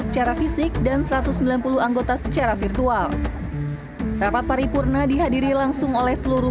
secara fisik dan satu ratus sembilan puluh anggota secara virtual rapat paripurna dihadiri langsung oleh seluruh